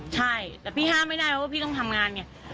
ใช่แต่พี่ห้ามไม่ได้เพราะว่าพี่ต้องทำงานไง